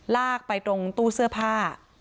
ลากไปตรงตู้เสื้อผ้า